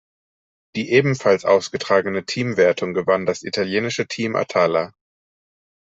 Die ebenfalls ausgetragene Teamwertung gewann das italienische Team Atala.